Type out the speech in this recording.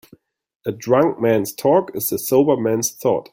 A drunk man's talk is a sober man's thought.